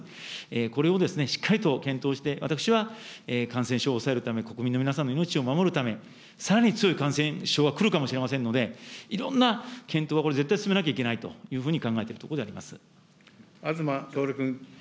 これをしっかりと検討して、私は感染症を抑えるために、国民の皆さんの命を守るため、さらに強い感染症が来るかもしれませんので、いろんな検討はこれ、絶対進めなきゃいけないというふうに考えて東徹君。